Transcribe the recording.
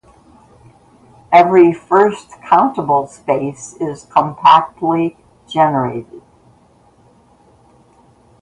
Every first-countable space is compactly generated.